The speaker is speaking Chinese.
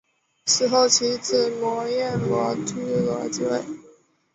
死后其子摩醯逻矩罗即位。